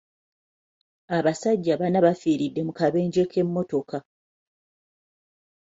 Abasajja bana bafiiridde mu kabenje k'emmotoka.